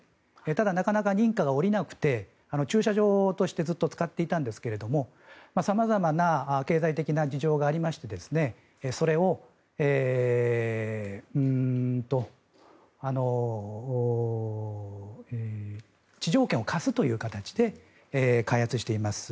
ただ、なかなか認可が下りなくて駐車場としてずっと使っていたんですが様々な経済的な事情がありましてそれを地上権を貸すという形で開発しています。